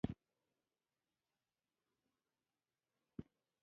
کروندګرو خپلواکي ترلاسه کړه او فیوډالیزم کمزوری شو.